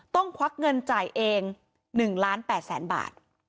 ควักเงินจ่ายเอง๑ล้าน๘แสนบาท